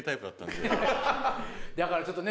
だからちょっとね